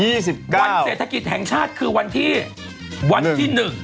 สิบวันเศรษฐกิจแห่งชาติคือวันที่วันที่หนึ่ง